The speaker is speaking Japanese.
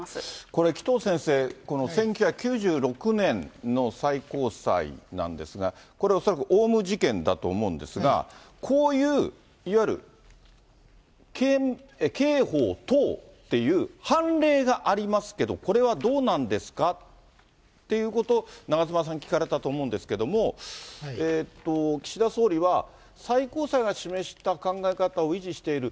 これ紀藤先生、この１９９６年の最高裁なんですが、これ恐らくオウム事件だと思うんですが、こういういわゆる、刑法等っていう判例がありますけど、これはどうなんですかっていうことを長妻さん聞かれたと思うんですが、岸田総理は、最高裁が示した考え方を維持している。